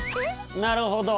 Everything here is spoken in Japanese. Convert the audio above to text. なるほど。